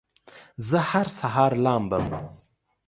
زه هر سهار لامبم